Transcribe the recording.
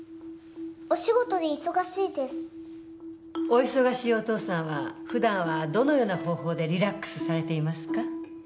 お忙しいお父さんは普段はどのような方法でリラックスされていますか？